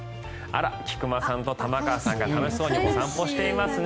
菊間さんと玉川さんが楽しそうにお散歩していますね。